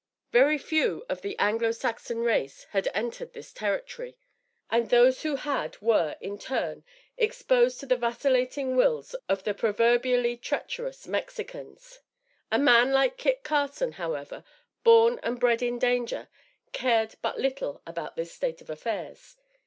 Very few of the Anglo Saxon race had entered this territory, and those who had were, in turn, exposed to the vacillating wills of the proverbially treacherous Mexicans. A man like Kit Carson, however, born and bred in danger, cared but little about this state of affairs.